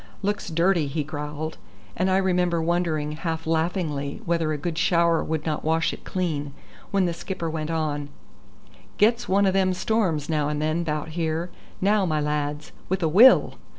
"Looks dirty," he growled; and I remember wondering half laughingly whether a good shower would not wash it clean, when the skipper went on: "Gets one o' them storms now and then 'bout here. Now, my lads; with a will!"